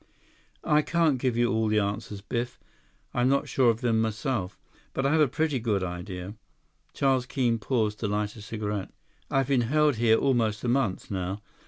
"I can't give you all the answers, Biff. I'm not sure of them myself. But I have a pretty good idea." Charles Keene paused to light a cigarette. "I've been held here almost a month, now.